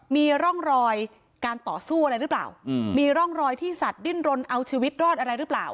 มีร่องรอยการต่อสู้อะไรหรือเปล่ามีร่องรอยที่สัตว์ดิ้นรนเอาชีวิตรอดอะไรหรือเปล่า